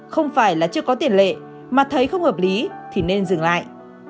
không phải là chưa có tiền lệ mà thấy không hợp lý thì nên dừng lại